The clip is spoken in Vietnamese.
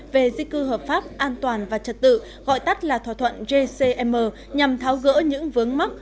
về di cư hợp pháp an toàn và trật tự gọi tắt là thỏa thuận jcm nhằm tháo gỡ những vướng mắt